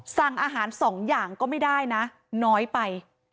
สั่งอาหารสองอย่างก็ไม่ได้นะน้อยไป